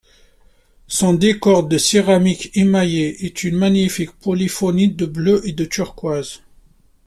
Son décor de céramiques émaillées est une magnifique polyphonie de bleu et de turquoise.